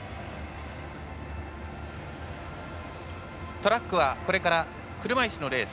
トラックはこれから車いすのレース。